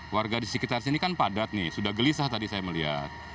warga di sekitar sini kan padat nih sudah gelisah tadi saya melihat